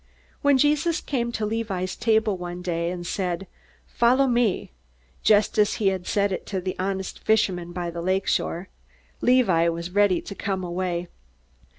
When Jesus came to Levi's table one day, and said, "Follow me," just as he had said it to the honest fishermen by the lake shore, Levi was ready to come away.